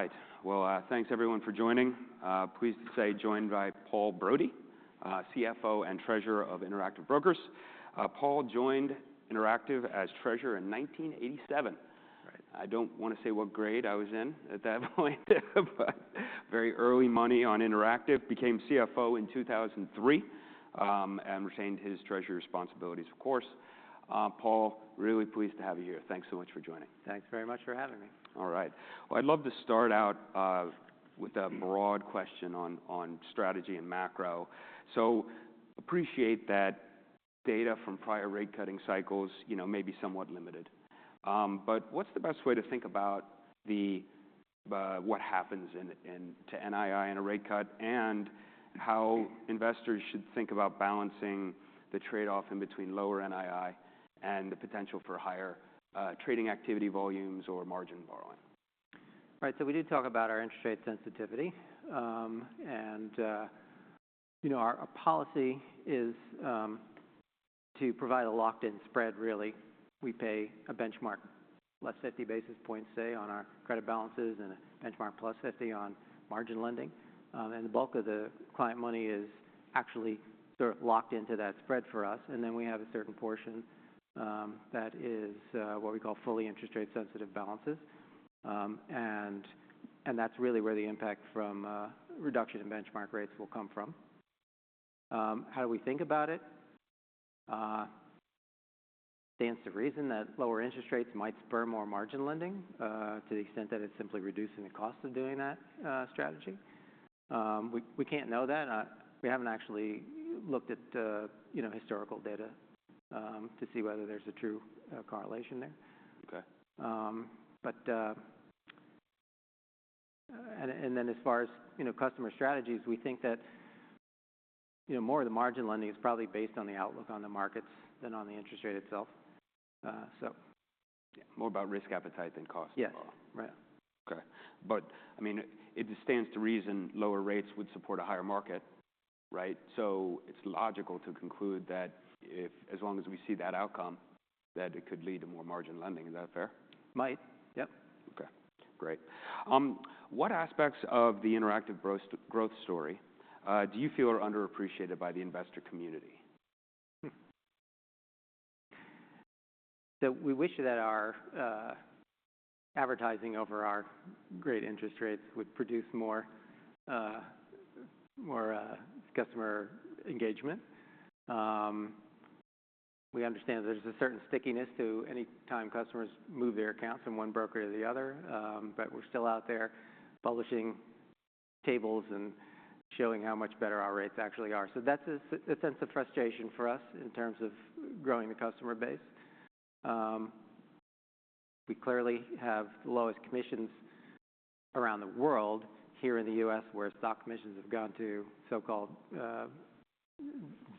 All right. Well, thanks everyone for joining. Pleased to say joined by Paul Brody, CFO and Treasurer of Interactive Brokers. Paul joined Interactive as Treasurer in 1987. I don't want to say what grade I was in at that point, but very early money on Interactive. Became CFO in 2003 and retained his Treasury responsibilities, of course. Paul, really pleased to have you here. Thanks so much for joining. Thanks very much for having me. All right. Well, I'd love to start out with a broad question on strategy and macro. So appreciate that data from prior rate-cutting cycles may be somewhat limited. But what's the best way to think about what happens to NII in a rate cut and how investors should think about balancing the trade-off in between lower NII and the potential for higher trading activity volumes or margin borrowing? Right. So we do talk about our interest rate sensitivity. And our policy is to provide a locked-in spread, really. We pay a benchmark plus 50 basis points, say, on our credit balances and a benchmark +50 on margin lending. And the bulk of the client money is actually sort of locked into that spread for us. And then we have a certain portion that is what we call fully interest rate-sensitive balances. And that's really where the impact from reduction in benchmark rates will come from. How do we think about it? There's the reason that lower interest rates might spur more margin lending to the extent that it's simply reducing the cost of doing that strategy. We can't know that. We haven't actually looked at historical data to see whether there's a true correlation there. And then as far as customer strategies, we think that more of the margin lending is probably based on the outlook on the markets than on the interest rate itself. So more about risk appetite than cost involved. OK. But I mean, it stands to reason lower rates would support a higher market, right? So it's logical to conclude that as long as we see that outcome, that it could lead to more margin lending. Is that fair? Might. Yep. OK. Great. What aspects of the Interactive growth story do you feel are underappreciated by the investor community? So we wish that our advertising over our great interest rates would produce more customer engagement. We understand that there's a certain stickiness to any time customers move their accounts from one broker to the other. But we're still out there publishing tables and showing how much better our rates actually are. So that's a sense of frustration for us in terms of growing the customer base. We clearly have the lowest commissions around the world here in the U.S., where stock commissions have gone to so-called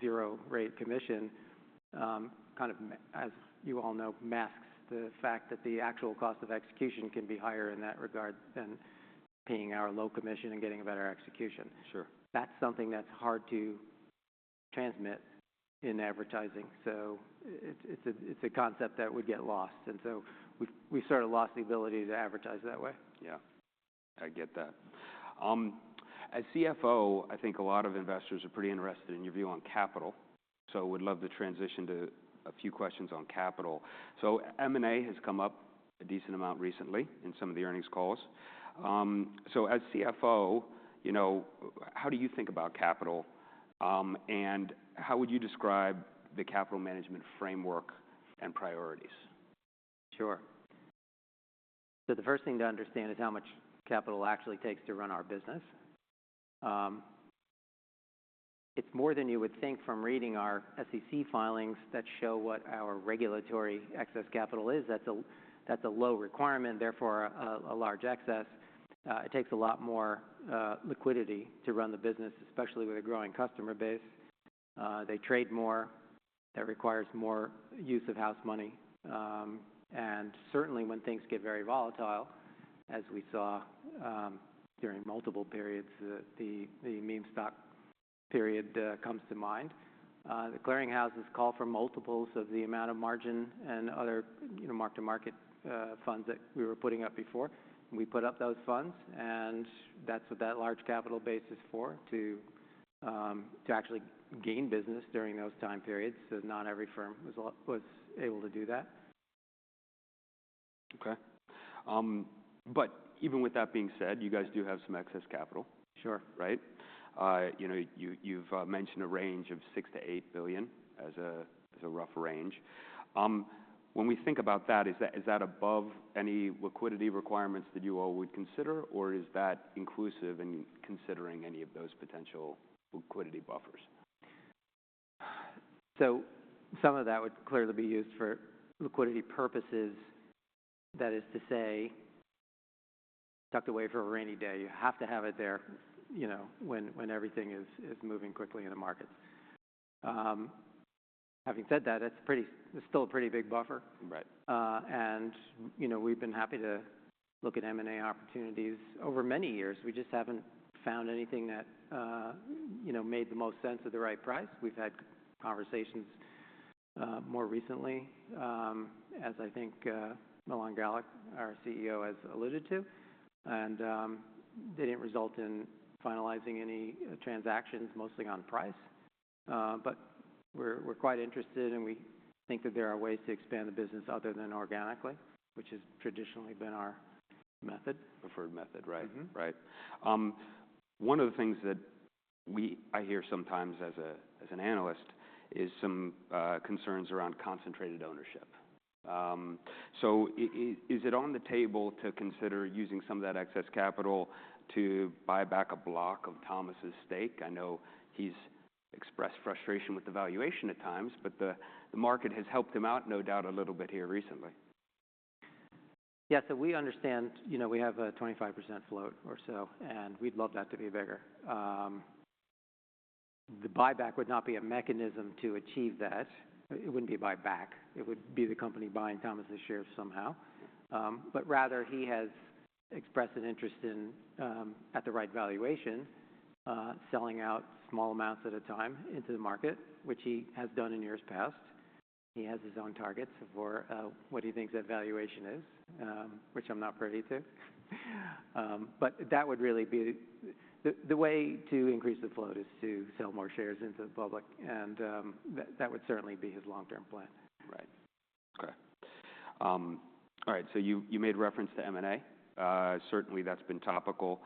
zero-rate commission, kind of, as you all know, masks the fact that the actual cost of execution can be higher in that regard than paying our low commission and getting a better execution. That's something that's hard to transmit in advertising. So it's a concept that would get lost. And so we've sort of lost the ability to advertise that way. Yeah. I get that. As CFO, I think a lot of investors are pretty interested in your view on capital. So would love to transition to a few questions on capital. So M&A has come up a decent amount recently in some of the earnings calls. So as CFO, how do you think about capital? And how would you describe the capital management framework and priorities? Sure. So the first thing to understand is how much capital actually takes to run our business. It's more than you would think from reading our SEC filings that show what our regulatory excess capital is. That's a low requirement, therefore a large excess. It takes a lot more liquidity to run the business, especially with a growing customer base. They trade more. That requires more use of house money. And certainly when things get very volatile, as we saw during multiple periods, the meme stock period comes to mind. The clearinghouses call for multiples of the amount of margin and other mark-to-market funds that we were putting up before. We put up those funds. And that's what that large capital base is for, to actually gain business during those time periods. So not every firm was able to do that. OK. Even with that being said, you guys do have some excess capital, right? Sure. You've mentioned a range of $6 billion-$8 billion as a rough range. When we think about that, is that above any liquidity requirements that you all would consider? Or is that inclusive in considering any of those potential liquidity buffers? So some of that would clearly be used for liquidity purposes. That is to say, tucked away for a rainy day, you have to have it there when everything is moving quickly in the markets. Having said that, it's still a pretty big buffer. And we've been happy to look at M&A opportunities over many years. We just haven't found anything that made the most sense at the right price. We've had conversations more recently, as I think Milan Galik, our CEO, has alluded to. And they didn't result in finalizing any transactions, mostly on price. But we're quite interested. And we think that there are ways to expand the business other than organically, which has traditionally been our method. Preferred method, right? Mm-hmm. One of the things that I hear sometimes as an analyst is some concerns around concentrated ownership. So is it on the table to consider using some of that excess capital to buy back a block of Thomas's stake? I know he's expressed frustration with the valuation at times. But the market has helped him out, no doubt, a little bit here recently. Yeah. We understand we have a 25% float or so. We'd love that to be bigger. The buyback would not be a mechanism to achieve that. It wouldn't be buyback. It would be the company buying Thomas's shares somehow. Rather, he has expressed an interest in, at the right valuation, selling out small amounts at a time into the market, which he has done in years past. He has his own targets for what he thinks that valuation is, which I'm not privy to. That would really be the way to increase the float is to sell more shares into the public. That would certainly be his long-term plan. Right. OK. All right. So you made reference to M&A. Certainly, that's been topical.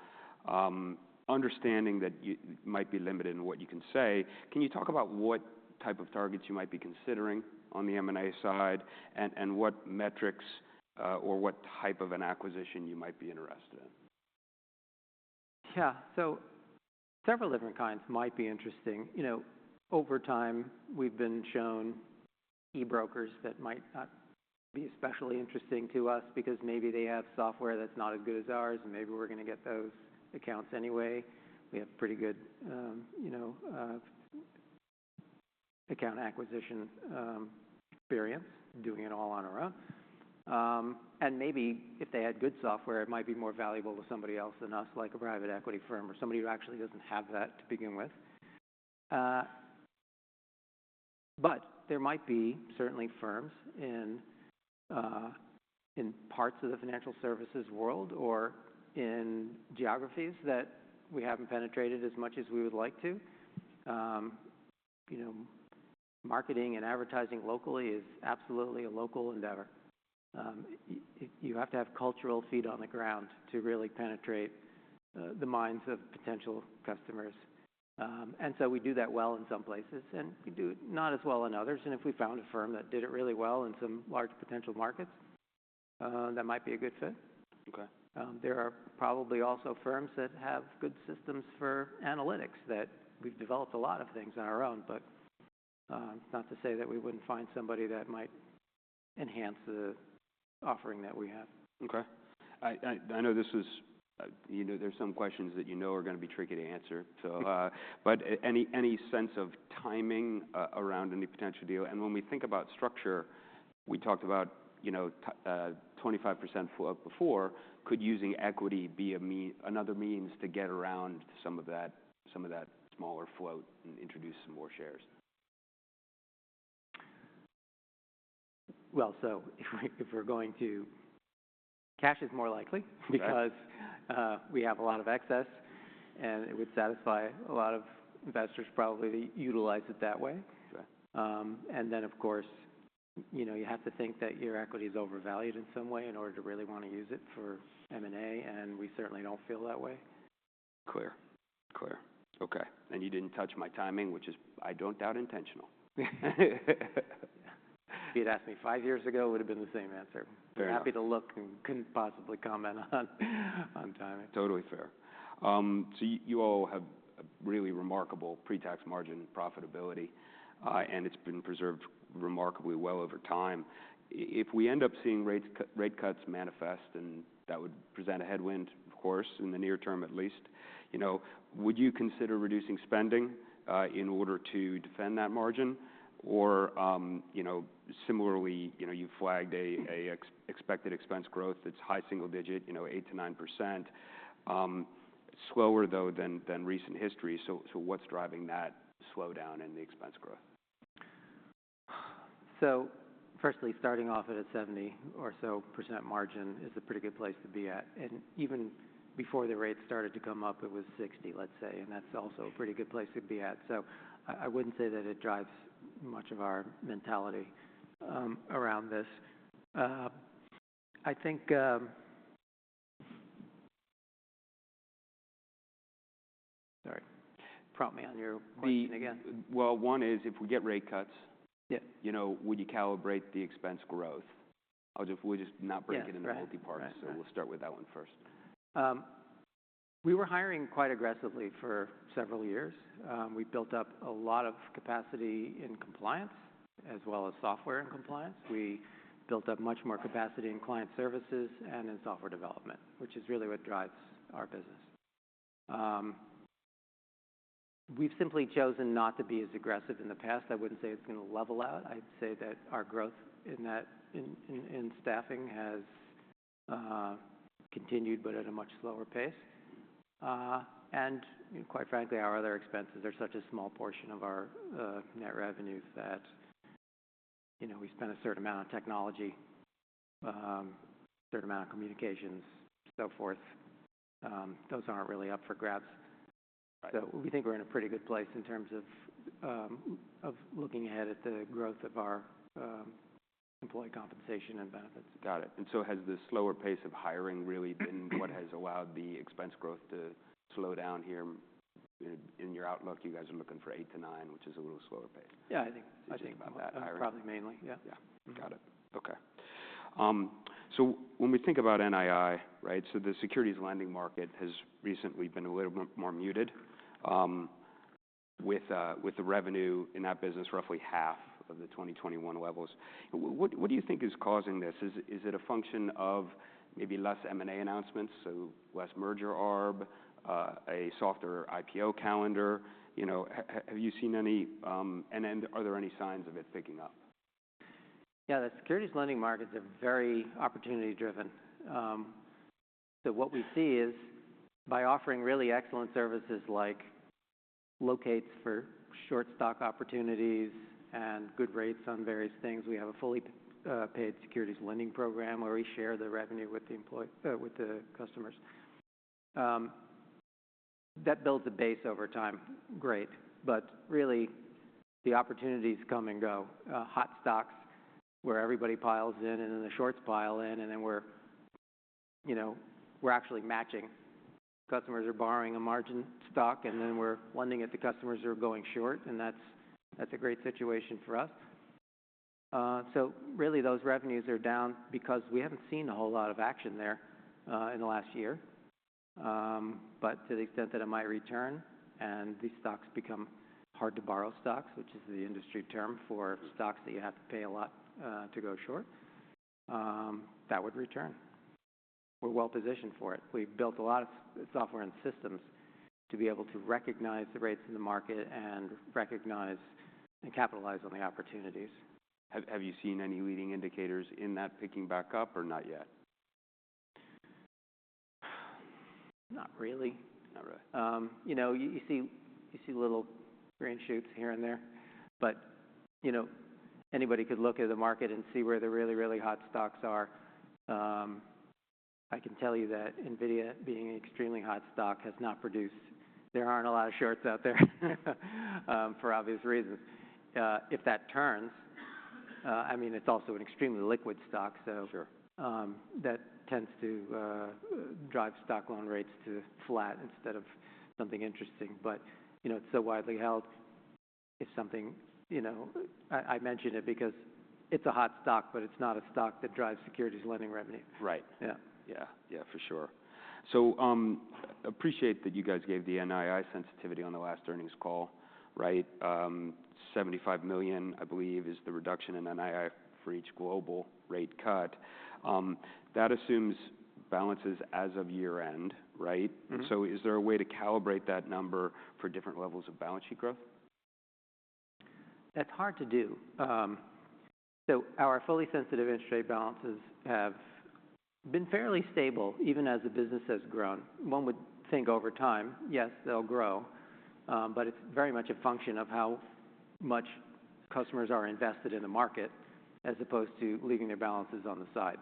Understanding that you might be limited in what you can say, can you talk about what type of targets you might be considering on the M&A side and what metrics or what type of an acquisition you might be interested in? Yeah. So several different kinds might be interesting. Over time, we've been shown e-brokers that might not be especially interesting to us because maybe they have software that's not as good as ours. And maybe we're going to get those accounts anyway. We have pretty good account acquisition experience doing it all on our own. And maybe if they had good software, it might be more valuable to somebody else than us, like a private equity firm or somebody who actually doesn't have that to begin with. But there might be certainly firms in parts of the financial services world or in geographies that we haven't penetrated as much as we would like to. Marketing and advertising locally is absolutely a local endeavor. You have to have cultural feet on the ground to really penetrate the minds of potential customers. And so we do that well in some places. We do it not as well in others. If we found a firm that did it really well in some large potential markets, that might be a good fit. There are probably also firms that have good systems for analytics that we've developed a lot of things on our own. It's not to say that we wouldn't find somebody that might enhance the offering that we have. OK. I know there's some questions that you know are going to be tricky to answer. But any sense of timing around any potential deal? And when we think about structure, we talked about 25% float before. Could using equity be another means to get around some of that smaller float and introduce some more shares? Well, so if we're going to, cash is more likely because we have a lot of excess. It would satisfy a lot of investors, probably, to utilize it that way. Then, of course, you have to think that your equity is overvalued in some way in order to really want to use it for M&A. We certainly don't feel that way. Clear. Clear. OK. And you didn't touch my timing, which is, I don't doubt, intentional. If you'd asked me 5 years ago, it would have been the same answer. I'm happy to look and couldn't possibly comment on timing. Totally fair. So you all have really remarkable pre-tax margin profitability. And it's been preserved remarkably well over time. If we end up seeing rate cuts manifest, and that would present a headwind, of course, in the near term at least, would you consider reducing spending in order to defend that margin? Or similarly, you've flagged an expected expense growth that's high single digit, 8%-9%, slower, though, than recent history. So what's driving that slowdown in the expense growth? So firstly, starting off at a 70% or so percent margin is a pretty good place to be at. Even before the rates started to come up, it was 60%, let's say. And that's also a pretty good place to be at. So I wouldn't say that it drives much of our mentality around this. I think sorry. Prompt me on your question again. Well, one is, if we get rate cuts, would you calibrate the expense growth? We'll just not break it into multi-parts. So we'll start with that one first. We were hiring quite aggressively for several years. We built up a lot of capacity in compliance as well as software and compliance. We built up much more capacity in client services and in software development, which is really what drives our business. We've simply chosen not to be as aggressive in the past. I wouldn't say it's going to level out. I'd say that our growth in staffing has continued, but at a much slower pace. And quite frankly, our other expenses are such a small portion of our net revenue that we spend a certain amount on technology, a certain amount on communications, so forth. Those aren't really up for grabs. So we think we're in a pretty good place in terms of looking ahead at the growth of our employee compensation and benefits. Got it. And so has the slower pace of hiring really been what has allowed the expense growth to slow down here? In your outlook, you guys are looking for 8%-9%, which is a little slower pace. Yeah. I think so. Do you think about that hiring? Probably mainly. Yeah. Yeah. Got it. OK. So when we think about NII, so the securities lending market has recently been a little bit more muted, with the revenue in that business roughly half of the 2021 levels. What do you think is causing this? Is it a function of maybe less M&A announcements, so less merger arb, a softer IPO calendar? Have you seen any? And are there any signs of it picking up? Yeah. The securities lending markets are very opportunity-driven. So what we see is, by offering really excellent services like locates for short stock opportunities and good rates on various things, we have a fully paid securities lending program where we share the revenue with the customers. That builds a base over time. Great. But really, the opportunities come and go. Hot stocks where everybody piles in, and then the shorts pile in, and then we're actually matching. Customers are borrowing a margin stock. And then we're lending it to customers who are going short. And that's a great situation for us. So really, those revenues are down because we haven't seen a whole lot of action there in the last year. But to the extent that it might return and these stocks become Hard-to-Borrow Stocks, which is the industry term for stocks that you have to pay a lot to go short, that would return. We're well positioned for it. We've built a lot of software and systems to be able to recognize the rates in the market and recognize and capitalize on the opportunities. Have you seen any leading indicators in that picking back up or not yet? Not really. You see little green shoots here and there. But anybody could look at the market and see where the really, really hot stocks are. I can tell you that NVIDIA, being an extremely hot stock, has not produced. There aren't a lot of shorts out there for obvious reasons. If that turns, I mean, it's also an extremely liquid stock. So that tends to drive stock loan rates to flat instead of something interesting. But it's so widely held, if something I mention it because it's a hot stock. But it's not a stock that drives securities lending revenue. Right. Yeah. Yeah. For sure. So I appreciate that you guys gave the NII sensitivity on the last earnings call. $75 million, I believe, is the reduction in NII for each global rate cut. That assumes balances as of year-end. So is there a way to calibrate that number for different levels of balance sheet growth? That's hard to do. So our fully sensitive interest rate balances have been fairly stable even as the business has grown. One would think over time, yes, they'll grow. But it's very much a function of how much customers are invested in the market as opposed to leaving their balances on the side.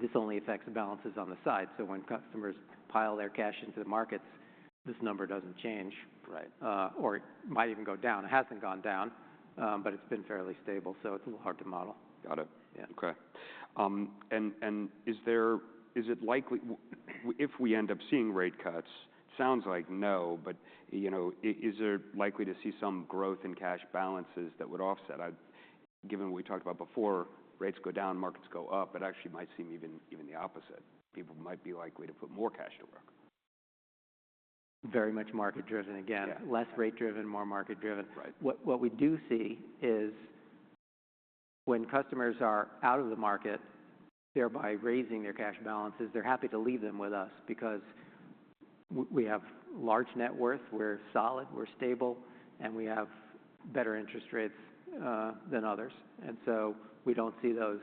This only affects the balances on the side. So when customers pile their cash into the markets, this number doesn't change or it might even go down. It hasn't gone down. But it's been fairly stable. So it's a little hard to model. Got it. OK. Is it likely, if we end up seeing rate cuts? It sounds like no. Is it likely to see some growth in cash balances that would offset? Given what we talked about before, rates go down, markets go up. It actually might seem even the opposite. People might be likely to put more cash to work. Very much market-driven again. Less rate-driven, more market-driven. What we do see is, when customers are out of the market, thereby raising their cash balances, they're happy to leave them with us because we have large net worth. We're solid. We're stable. And we have better interest rates than others. And so we don't see those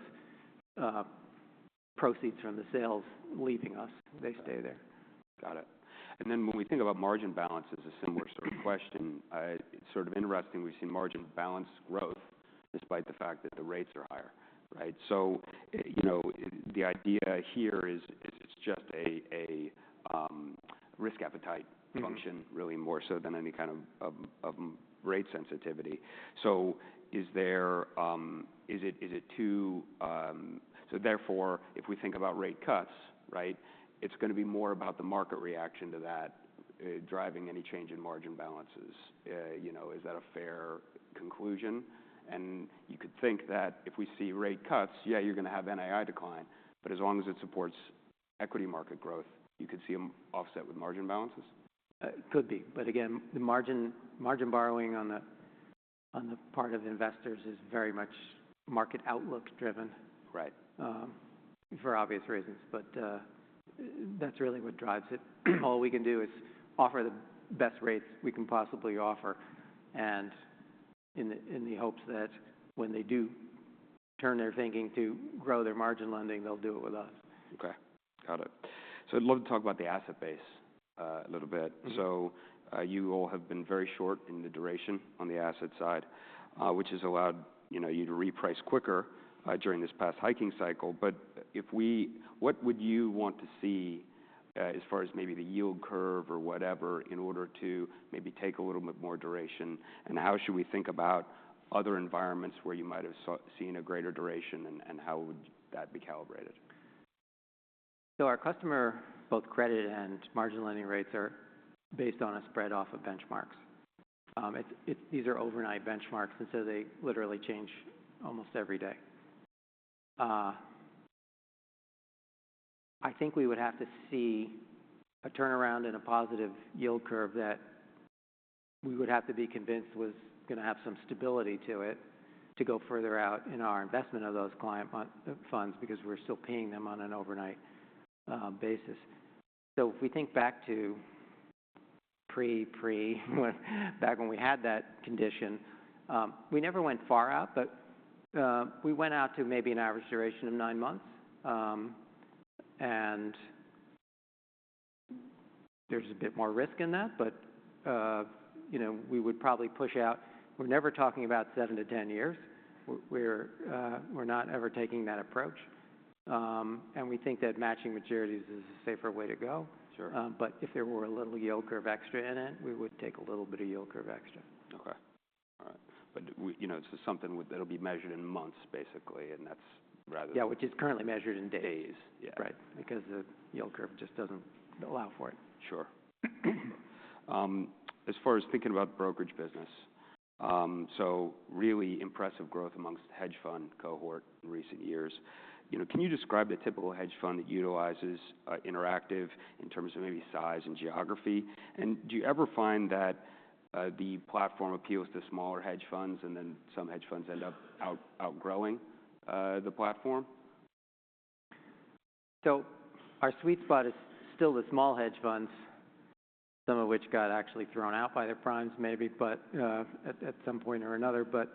proceeds from the sales leaving us. They stay there. Got it. And then when we think about margin balance, it's a similar sort of question. It's sort of interesting. We've seen margin balance growth despite the fact that the rates are higher. So the idea here is, it's just a risk appetite function, really, more so than any kind of rate sensitivity. So is it therefore, if we think about rate cuts, it's going to be more about the market reaction to that driving any change in margin balances. Is that a fair conclusion? And you could think that if we see rate cuts, yeah, you're going to have NII decline. But as long as it supports equity market growth, you could see them offset with margin balances? It could be. But again, the margin borrowing on the part of investors is very much market outlook-driven for obvious reasons. But that's really what drives it. All we can do is offer the best rates we can possibly offer in the hopes that when they do turn their thinking to grow their margin lending, they'll do it with us. OK. Got it. So I'd love to talk about the asset base a little bit. So you all have been very short in the duration on the asset side, which has allowed you to reprice quicker during this past hiking cycle. But what would you want to see as far as maybe the yield curve or whatever in order to maybe take a little bit more duration? And how should we think about other environments where you might have seen a greater duration? And how would that be calibrated? So our customer, both credit and margin lending rates, are based on a spread off of benchmarks. These are overnight benchmarks. And so they literally change almost every day. I think we would have to see a turnaround in a positive yield curve that we would have to be convinced was going to have some stability to it to go further out in our investment of those client funds because we're still paying them on an overnight basis. So if we think back to pre, pre, back when we had that condition, we never went far out. But we went out to maybe an average duration of 9 months. And there's a bit more risk in that. But we would probably push out. We're never talking about 7-10 years. We're not ever taking that approach. And we think that matching maturities is a safer way to go. If there were a little yield curve extra in it, we would take a little bit of yield curve extra. OK. All right. But it's something that'll be measured in months, basically. And that's rather. Yeah, which is currently measured in days. Days. Yeah. Right. Because the yield curve just doesn't allow for it. Sure. As far as thinking about the brokerage business, so really impressive growth among hedge fund cohort in recent years. Can you describe the typical hedge fund that utilizes Interactive in terms of maybe size and geography? And do you ever find that the platform appeals to smaller hedge funds? And then some hedge funds end up outgrowing the platform? So our sweet spot is still the small hedge funds, some of which got actually thrown out by their primes, maybe, at some point or another. But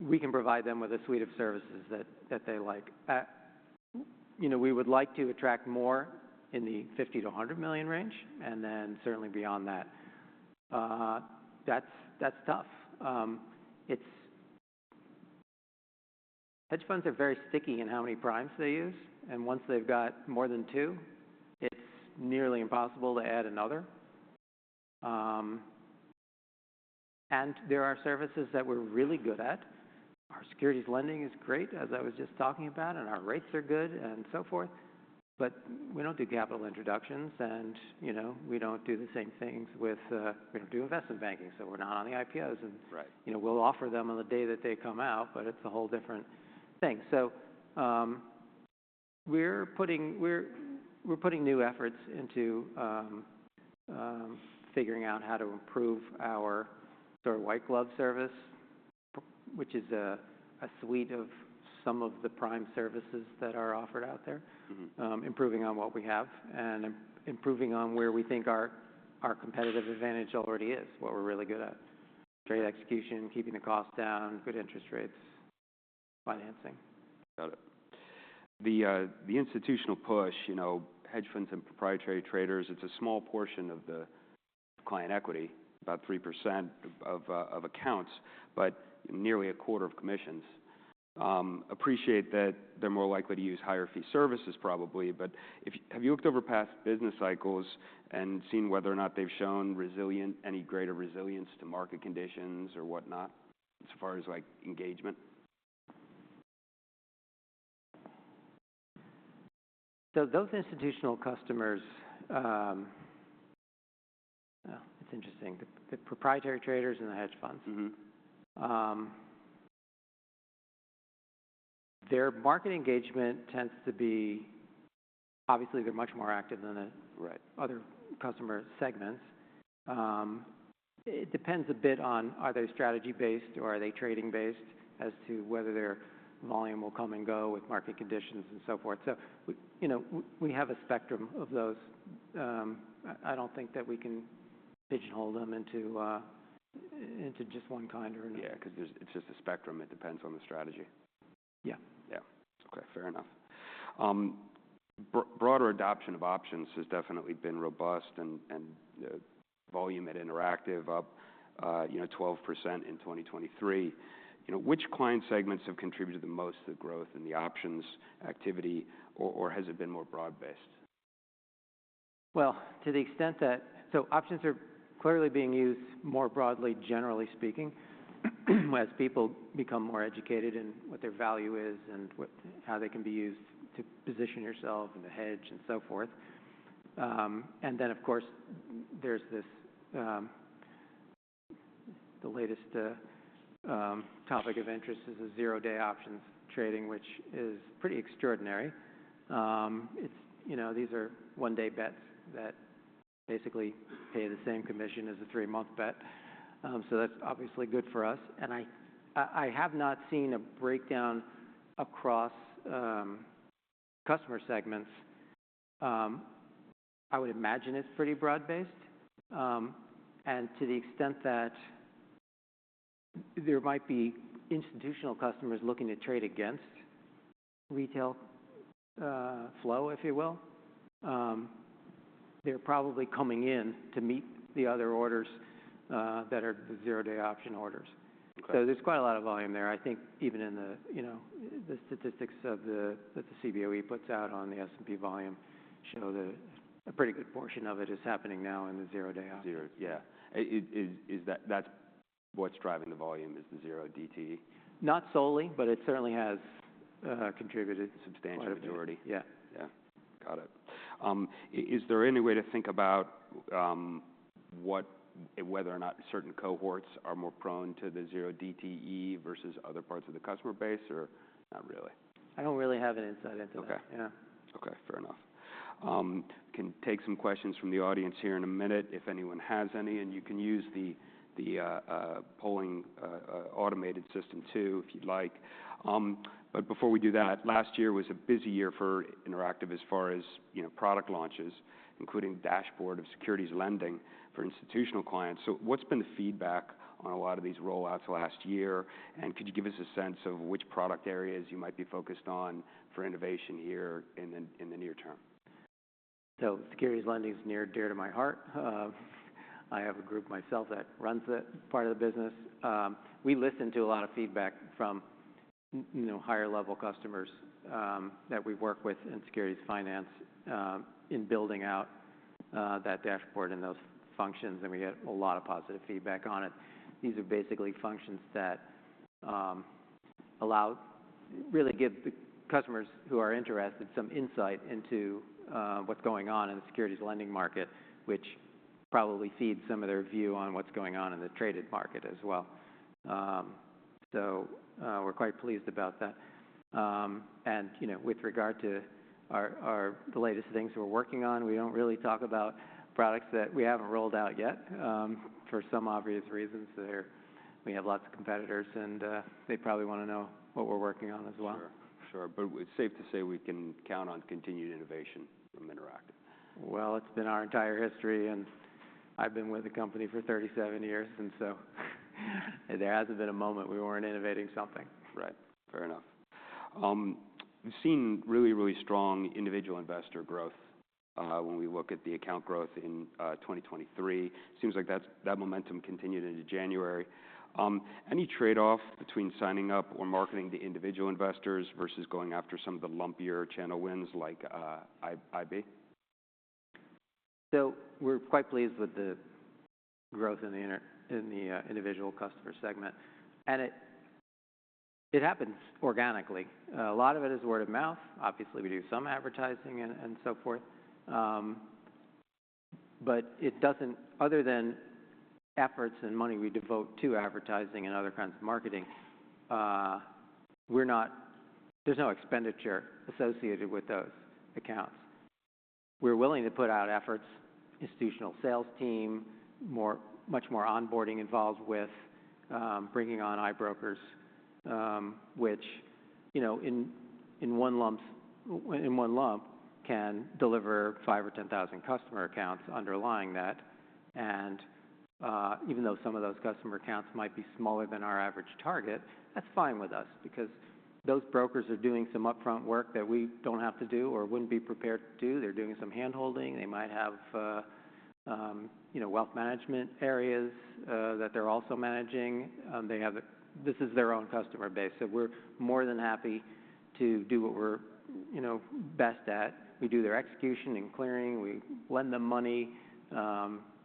we can provide them with a suite of services that they like. We would like to attract more in the $50 million-$100 million range and then certainly beyond that. That's tough. Hedge funds are very sticky in how many primes they use. And once they've got more than 2, it's nearly impossible to add another. And there are services that we're really good at. Our securities lending is great, as I was just talking about. And our rates are good and so forth. But we don't do capital introductions. And we don't do the same things. We don't do investment banking. So we're not on the IPOs. And we'll offer them on the day that they come out. But it's a whole different thing. So we're putting new efforts into figuring out how to improve our sort of white glove service, which is a suite of some of the prime services that are offered out there, improving on what we have and improving on where we think our competitive advantage already is, what we're really good at: trade execution, keeping the cost down, good interest rates, financing. Got it. The institutional push, hedge funds and proprietary traders, it's a small portion of the client equity, about 3% of accounts, but nearly a quarter of commissions. I appreciate that they're more likely to use higher fee services, probably. But have you looked over past business cycles and seen whether or not they've shown any greater resilience to market conditions or whatnot as far as engagement? So those institutional customers, it's interesting. The proprietary traders and the hedge funds, their market engagement tends to be, obviously, they're much more active than the other customer segments. It depends a bit on are they strategy-based or are they trading-based as to whether their volume will come and go with market conditions and so forth. So we have a spectrum of those. I don't think that we can pigeonhole them into just one kind or another. Yeah. Because it's just a spectrum. It depends on the strategy. Yeah. Yeah. OK. Fair enough. Broader adoption of options has definitely been robust. Volume at Interactive, up 12% in 2023. Which client segments have contributed the most to the growth in the options activity? Or has it been more broad-based? Well, to the extent that options are clearly being used more broadly, generally speaking, as people become more educated in what their value is and how they can be used to position yourself and to hedge and so forth. And then, of course, there's the latest topic of interest is the zero-day options trading, which is pretty extraordinary. These are 1-day bets that basically pay the same commission as a 3-month bet. So that's obviously good for us. And I have not seen a breakdown across customer segments. I would imagine it's pretty broad-based. And to the extent that there might be institutional customers looking to trade against retail flow, if you will, they're probably coming in to meet the other orders that are the zero-day option orders. So there's quite a lot of volume there. I think even in the statistics that the CBOE puts out on the S&P volume show that a pretty good portion of it is happening now in the zero-day options. Yeah. Is that what's driving the volume, is the 0DTE? Not solely. But it certainly has contributed substantially. Substantial majority. Yeah. Yeah. Got it. Is there any way to think about whether or not certain cohorts are more prone to the 0DTE versus other parts of the customer base or not really? I don't really have an insight into that. Yeah. OK. Fair enough. We can take some questions from the audience here in a minute, if anyone has any. You can use the polling automated system too, if you'd like. Before we do that, last year was a busy year for Interactive as far as product launches, including a dashboard of securities lending for institutional clients. What's been the feedback on a lot of these rollouts last year? Could you give us a sense of which product areas you might be focused on for innovation here in the near term? So securities lending is near and dear to my heart. I have a group myself that runs that part of the business. We listen to a lot of feedback from higher-level customers that we work with in securities finance in building out that dashboard and those functions. We get a lot of positive feedback on it. These are basically functions that allow really give the customers who are interested some insight into what's going on in the securities lending market, which probably feeds some of their view on what's going on in the traded market as well. So we're quite pleased about that. With regard to the latest things we're working on, we don't really talk about products that we haven't rolled out yet for some obvious reasons. We have lots of competitors. And they probably want to know what we're working on as well. Sure. It's safe to say we can count on continued innovation from Interactive. Well, it's been our entire history. And I've been with the company for 37 years. And so there hasn't been a moment we weren't innovating something. Right. Fair enough. We've seen really, really strong individual investor growth when we look at the account growth in 2023. It seems like that momentum continued into January. Any trade-off between signing up or marketing to individual investors versus going after some of the lumpier channel wins like IB? So we're quite pleased with the growth in the individual customer segment. It happens organically. A lot of it is word of mouth. Obviously, we do some advertising and so forth. But other than efforts and money we devote to advertising and other kinds of marketing, there's no expenditure associated with those accounts. We're willing to put out efforts, institutional sales team, much more onboarding involved with bringing on iBrokers, which in one lump can deliver 5,000 or 10,000 customer accounts underlying that. Even though some of those customer accounts might be smaller than our average target, that's fine with us because those brokers are doing some upfront work that we don't have to do or wouldn't be prepared to do. They're doing some handholding. They might have wealth management areas that they're also managing. This is their own customer base. So we're more than happy to do what we're best at. We do their execution and clearing. We lend them money.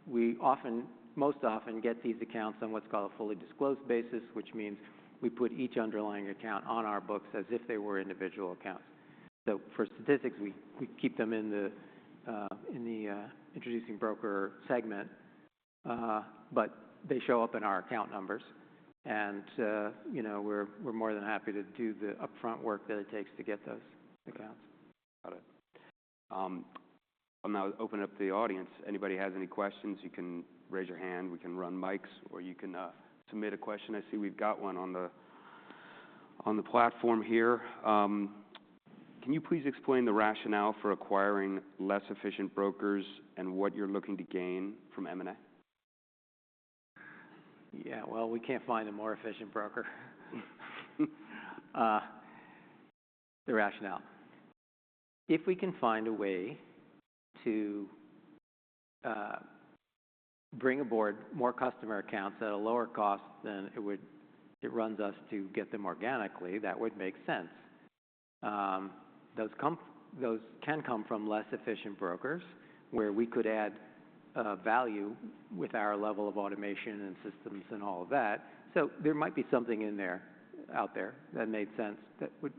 We often, most often, get these accounts on what's called a fully disclosed basis, which means we put each underlying account on our books as if they were individual accounts. So for statistics, we keep them in the introducing broker segment. But they show up in our account numbers. And we're more than happy to do the upfront work that it takes to get those accounts. Got it. I'm going to open up to the audience. Anybody has any questions, you can raise your hand. We can run mics. Or you can submit a question. I see we've got one on the platform here. Can you please explain the rationale for acquiring less efficient brokers and what you're looking to gain from M&A? Yeah. Well, we can't find a more efficient broker. The rationale. If we can find a way to bring aboard more customer accounts at a lower cost than it runs us to get them organically, that would make sense. Those can come from less efficient brokers, where we could add value with our level of automation and systems and all of that. So there might be something out there that made sense that would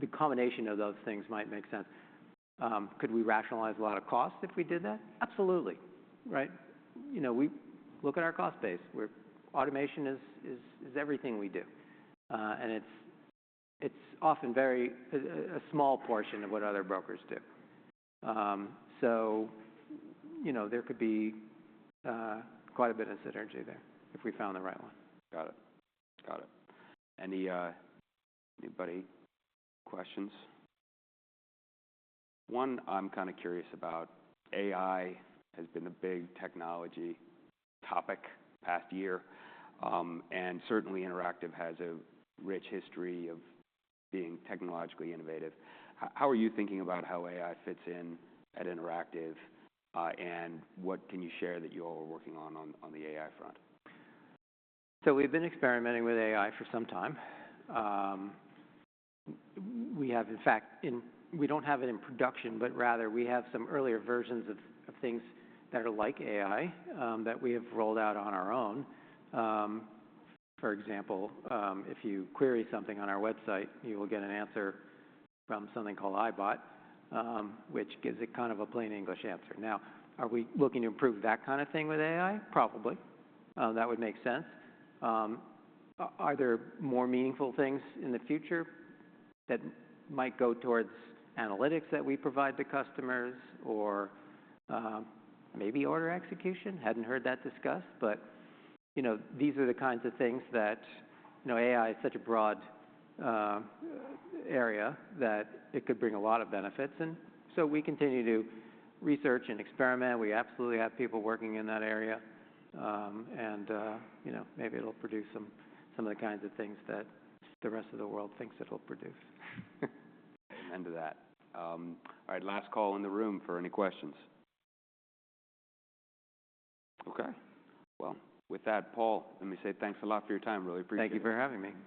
the combination of those things might make sense. Could we rationalize a lot of costs if we did that? Absolutely. Right? We look at our cost base. Automation is everything we do. And it's often very a small portion of what other brokers do. So there could be quite a bit of synergy there if we found the right one. Got it. Got it. Anybody questions? One, I'm kind of curious about. AI has been a big technology topic past year. Certainly, Interactive has a rich history of being technologically innovative. How are you thinking about how AI fits in at Interactive? And what can you share that you all are working on on the AI front? So we've been experimenting with AI for some time. We have, in fact, we don't have it in production. But rather, we have some earlier versions of things that are like AI that we have rolled out on our own. For example, if you query something on our website, you will get an answer from something called iBot, which gives it kind of a plain English answer. Now, are we looking to improve that kind of thing with AI? Probably. That would make sense. Are there more meaningful things in the future that might go towards analytics that we provide to customers or maybe order execution? Hadn't heard that discussed. But these are the kinds of things that AI is such a broad area that it could bring a lot of benefits. And so we continue to research and experiment. We absolutely have people working in that area. Maybe it'll produce some of the kinds of things that the rest of the world thinks it'll produce. End of that. All right. Last call in the room for any questions. OK. Well, with that, Paul, let me say thanks a lot for your time. Really appreciate it. Thank you for having me.